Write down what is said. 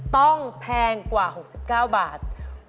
แพงกว่า๖๙บาท